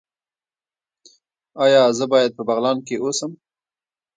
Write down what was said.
ایا زه باید په بغلان کې اوسم؟